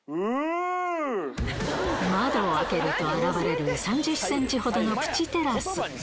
窓を開けると現れる、３０センチほどのプチテラス。